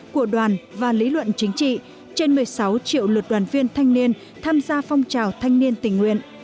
của đoàn và lý luận chính trị trên một mươi sáu triệu lượt đoàn viên thanh niên tham gia phong trào thanh niên tình nguyện